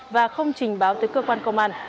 và không trình báo tới cơ quan công an